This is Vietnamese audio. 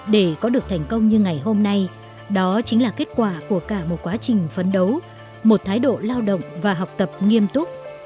để có được thành công như ngày hôm nay đó chính là kết quả của cả một quá trình phấn đấu một thái độ lao động và học tập nghiêm túc